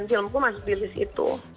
dan filmku masih di sisi itu